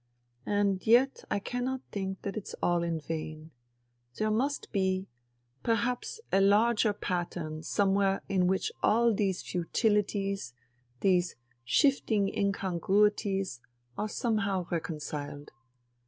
And yet I cannot think that it's all in vain. There must be ... perhaps a larger pattern somewhere in which all these futilities, these shifting incon gruities are somehow reconciled.